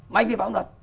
mà anh vi phạm luật